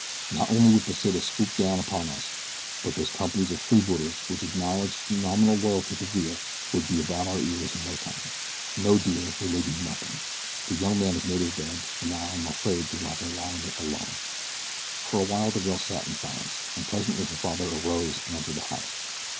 Not only would Pesita swoop down upon us, but those companies of freebooters which acknowledge nominal loyalty to Villa would be about our ears in no time. No, dear, we may do nothing. The young man has made his bed, and now I am afraid that he will have to lie in it alone." For awhile the girl sat in silence, and presently her father arose and entered the house.